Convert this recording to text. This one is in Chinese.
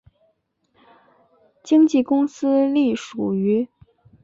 经纪公司隶属于。